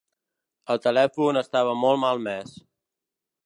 El telèfon estava molt malmès.